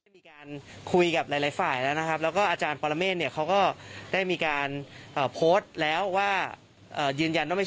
อ๋อมีนะคะตอนที่เกิดเหตุใหม่เท่าที่ทราบเนี่ย